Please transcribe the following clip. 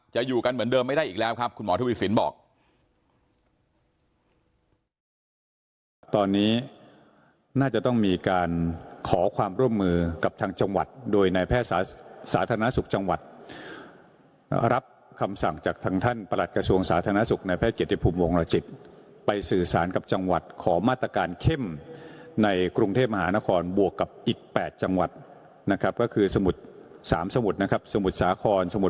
อยู่กันเหมือนเดิมไม่ได้อีกแล้วครับคุณหมอทวีสินบอก